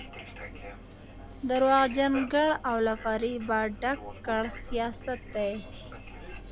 درواغجن ګړ او له فرېبه ډک کړ سیاست دی.